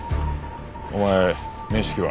お前面識は？